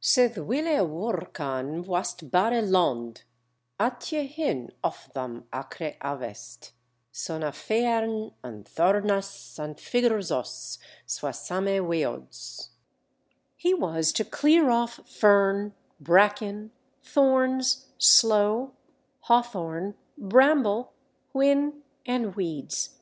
"Sethe wille wyrcan wastbaere lond ateo hin of tham acre aefest sona fearn and thornas and figrsas swasame weods." He was to clear off fern, bracken, thorns, sloe, hawthorn, bramble, whin, and weeds.